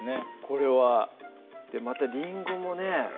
これはまたりんごもね